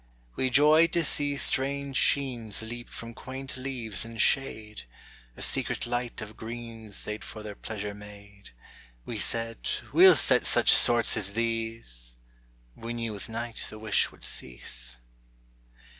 We joyed to see strange sheens Leap from quaint leaves in shade; A secret light of greens They'd for their pleasure made. We said: "We'll set such sorts as these!" —We knew with night the wish would cease.